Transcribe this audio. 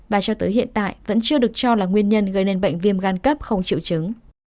và cho tới hiện tại vẫn chưa được cho là nguyên nhân gây nên bệnh viêm gan cấp không triệu chứng